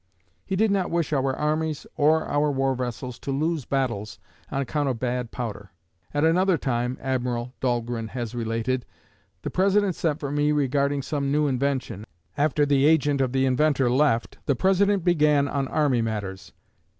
He did not wish our armies or our war vessels to lose battles on account of bad powder. "At another time," Admiral Dahlgren has related, "the President sent for me regarding some new invention. After the agent of the inventor left, the President began on army matters.